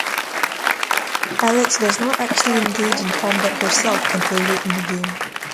Alex does not actually engage in combat herself until late in the game.